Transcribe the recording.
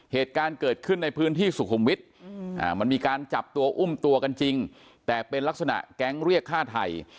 เหตุการณ์เกิดขึ้นในพื้นที่สุขุมวิทย์มันมีการจับตัวอุ้มตัวกันจริงแต่เป็นลักษณะแก๊งเรียกฆ่าไทย